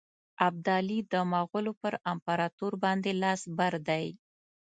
ابدالي د مغولو پر امپراطور باندي لاس بر دی.